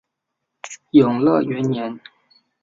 永乐元年。